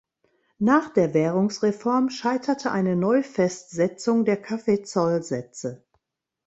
Nach der Währungsreform scheiterte eine Neu-Festsetzung der Kaffeezoll-Sätze.